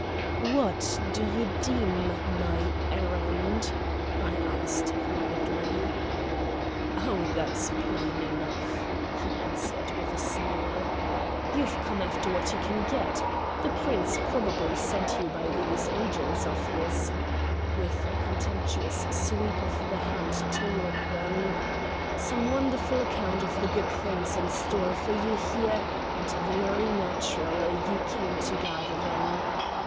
"What do you deem my errand?" I asked quietly. "Oh, that's plain enough," he answered, with a sneer. "You've come after what you can get. The Prince probably sent you by these agents of his" with a contemptuous sweep of the hand toward them "some wonderful account of the good things in store for you here, and very naturally you came to gather them.